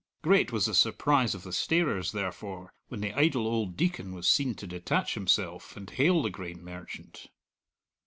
Great was the surprise of the starers, therefore, when the idle old Deacon was seen to detach himself and hail the grain merchant.